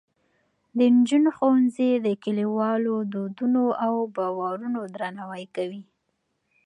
د نجونو ښوونځي د کلیوالو دودونو او باورونو درناوی کوي.